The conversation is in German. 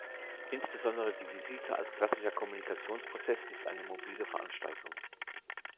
Insbesondere die Visite als klassischer Kommunikationsprozess ist eine mobile Veranstaltung.